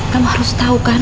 kamu harus tahu kan